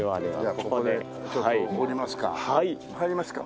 ここでちょっと降りますか。